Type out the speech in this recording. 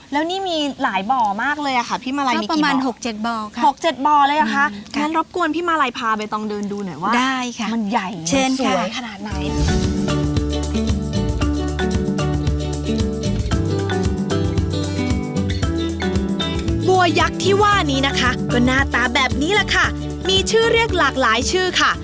บัวยักษ์ที่ว่านี้นะคะก็น่าตาแบบนี้แหละค่ะมีชื่อเรียกหลากหลายชื่อค่ะ